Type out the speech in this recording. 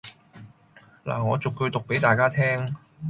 拿我逐句讀俾大家聽